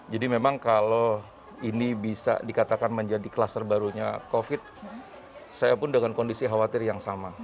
jadi memang kalau ini bisa dikatakan menjadi kluster barunya covid saya pun dengan kondisi khawatir yang sama